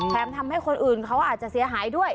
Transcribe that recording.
ทำให้คนอื่นเขาอาจจะเสียหายด้วย